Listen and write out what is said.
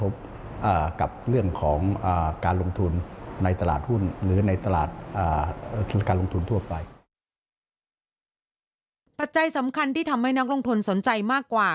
ปัจจัยสำคัญที่ทำให้นักลงทุนสนใจมากกว่า